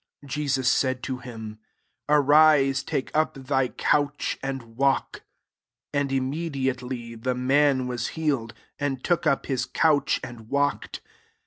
8 Jesus said to him, ''Arise, take up thy couch, and walk." 9 And immediately, the man was healed, and took up his couch, and walked.